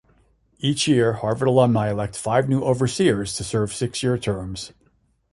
Each year, Harvard alumni elect five new overseers to serve six-year terms.